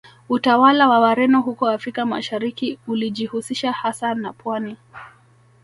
Utawala wa Wareno huko Afrika Mashariki ulijihusisha hasa na pwani